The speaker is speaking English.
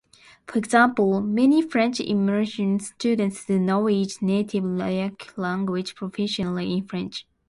For example, many French Immersion students do not reach native-like language proficiency in French.